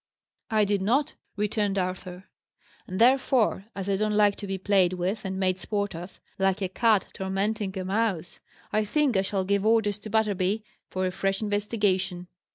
"I did not," returned Arthur. "And therefore as I don't like to be played with and made sport of, like a cat tormenting a mouse I think I shall give orders to Butterby for a fresh investigation."